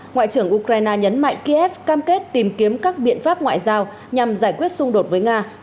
ngoại trưởng ukraine nhấn mạnh kiev cam kết tìm kiếm các biện pháp ngoại giao nhằm giải quyết xung đột với nga